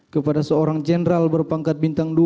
kepada seorang jenderal berpangkat bintang dua